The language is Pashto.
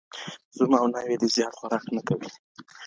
زوم او ناوي دي زيات خوراک نکوي.